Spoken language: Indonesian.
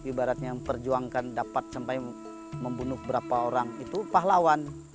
ibaratnya memperjuangkan dapat sampai membunuh berapa orang itu pahlawan